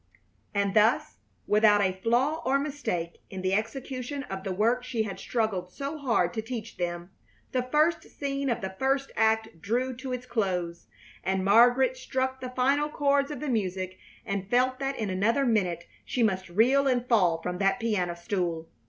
And thus, without a flaw or mistake in the execution of the work she had struggled so hard to teach them, the first scene of the first act drew to its close, and Margaret struck the final chords of the music and felt that in another minute she must reel and fall from that piano stool.